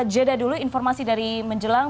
jeda dulu informasi dari menjelang